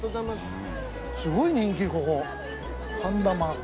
すごい人気ここ。